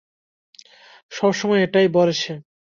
সব সময় এটাই বলে সে।